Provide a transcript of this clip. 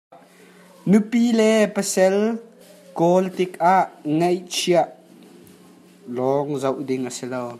Nupi le pasal kawl tikah ngeihchiah lawng zoh ding a si lo.